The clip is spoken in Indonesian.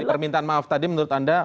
jadi permintaan maaf tadi menurut anda